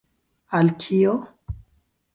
Al kio?